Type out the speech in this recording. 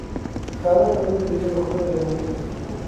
ښارونه د طبیعي پدیدو یو ښکلی رنګ دی.